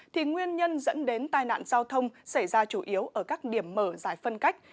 thì nguyên nhân dẫn đến tai nạn giao thông xảy ra chủ yếu ở các điểm mở giải phân cách